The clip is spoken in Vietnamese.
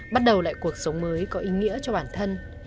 bắt đầu lại cuộc sống mới có ý nghĩa cho bản thân